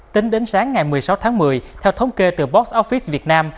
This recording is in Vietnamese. tính đến sáng ngày một mươi sáu tháng một mươi theo thống kê từ box office việt nam